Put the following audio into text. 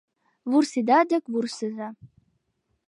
Вурседа дык вурсыза: